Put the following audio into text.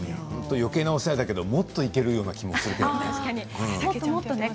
よけいなお世話だけどもっといけるような気がしますね。